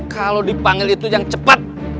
kalau dipanggil itu yang cepat